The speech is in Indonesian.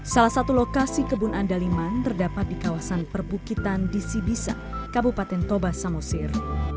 salah satu lokasi kebun andaliman terdapat di kawasan perbukitan disibisa kabupaten toba samosir